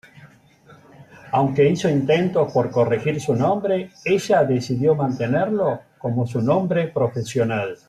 Aunque hizo intentos por corregir su nombre, ella decidió mantenerlo como su nombre profesional.